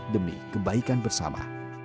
demi kebaikan bersama